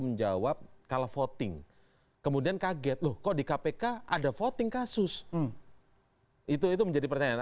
menjawab kalau voting kemudian kaget loh kok di kpk ada voting kasus itu itu menjadi pertanyaan